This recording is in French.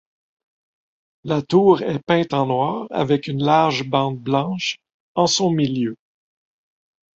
La tour est peinte en noir avec une large bande blanche en son milieu.